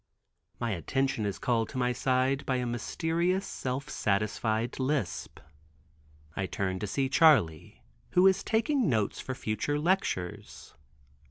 My attention is called to my side by a mysterious self satisfied lisp. I turn to see Charley who is taking notes for future lectures.